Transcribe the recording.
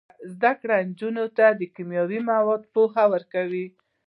زده کړه نجونو ته د کیمیاوي موادو پوهه ورکوي.